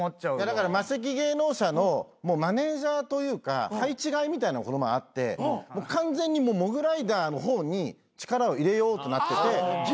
だからマセキ芸能社のマネジャーというか配置換えみたいなのこの前あって完全にモグライダーの方に力を入れようってなってて。